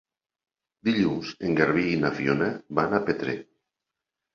Dilluns en Garbí i na Fiona van a Petrer.